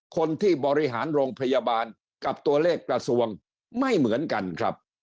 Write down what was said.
คนที่บริหารโรงพยาบาลกับตัวเลขกระทรวงไม่เหมือนกันครับ